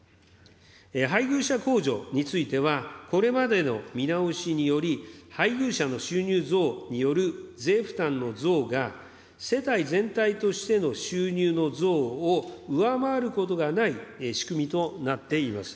配偶者控除については、これまでの見直しにより、配偶者の収入増による税負担の増が、世帯全体としての収入の増を上回ることがない仕組みとなっています。